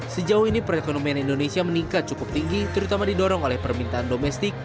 sejauh ini perekonomian indonesia meningkat cukup tinggi terutama didorong oleh permintaan domestik